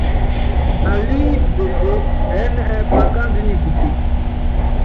Alíŋiti pesée, ɛɛ́n ɛ́ɛ́ akáandú nyi kuteke.